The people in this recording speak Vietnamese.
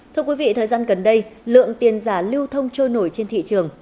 thưa quý vị thời gian gần đây lượng tiền giả lưu thông trôi nổi trên thị trường